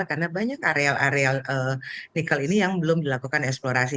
karena banyak areal areal nikel ini yang belum dilakukan eksplorasi